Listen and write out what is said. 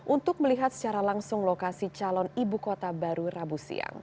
untuk melihat secara langsung lokasi calon ibu kota baru rabu siang